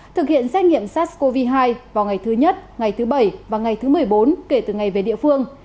thực hiện xét nghiệm sars cov hai vào ngày thứ nhất ngày thứ bảy và ngày thứ một mươi bốn kể từ ngày về địa phương